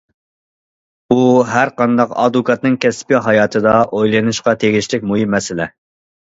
بۇ ھەرقانداق ئادۋوكاتنىڭ كەسپىي ھاياتىدا ئويلىنىشقا تېگىشلىك مۇھىم مەسىلە.